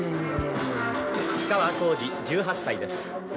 吉川晃司、１８歳です。